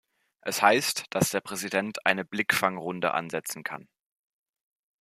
Es heißt, dass der Präsident eine "Blickfang"-Runde ansetzen kann.